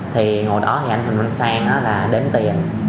thì ngồi đó thì anh huỳnh văn sang đó là đếm tiền